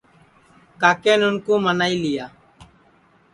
کاکین اُن کُو منائی لی